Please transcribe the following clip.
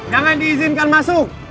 jangan diizinkan masuk